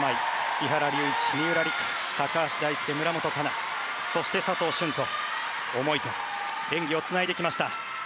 木原龍一、三浦璃来高橋大輔、村元哉中そして佐藤駿と思いと演技をつないできました。